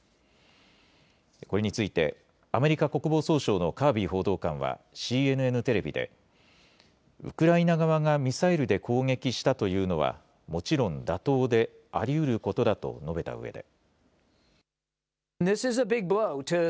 これについて、アメリカ国防総省のカービー報道官はＣＮＮテレビで、ウクライナ側がミサイルで攻撃したというのは、もちろん妥当で、ありうることだと述べたうえで。